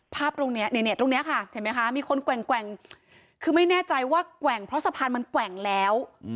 ภาพตรงนี้ตรงนี้ค่ะเห็นไหมคะมีคนแกว่งคือไม่แน่ใจว่าแกว่งเพราะสะพานมันแกว่งแล้ว